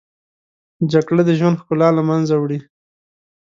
جګړه د ژوند ښکلا له منځه وړي